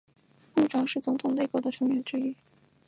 部长是总统内阁的成员之一。